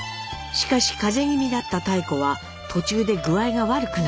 しかし風邪気味だった妙子は途中で具合が悪くなります。